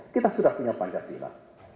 kita sudah punya pancasila